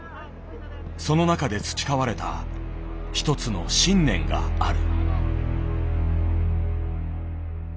その中で培われた１つの信念がある。